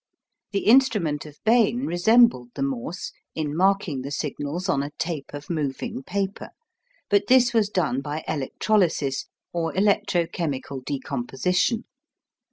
The instrument of Bain resembled the Morse in marking the signals on a tape of moving paper, but this was done by electrolysis or electro chemical decomposition.